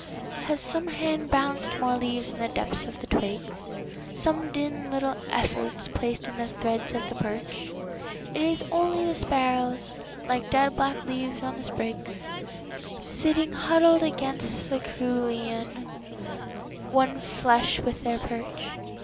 Has some hand balanced more leaves in the depths of the twigs? Some dim little efforts placed in the threads of the birch?—It is only the sparrows, like dead black leaves on the sprigs, Sitting huddled against the cerulean, one flesh with their perch.